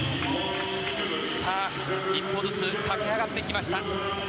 さあ、一歩ずつ駆け上がってきました。